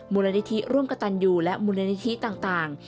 มูลนิธิร่วมกับตันยูและมูลนิธิต่าง